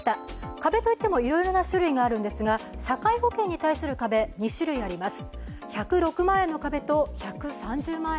壁と言ってもいろいろな種類があるんですが社会保険に対する壁、２種類あります。